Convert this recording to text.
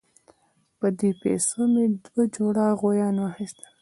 په دې پیسو مې دوه جوړه غویان واخیستل.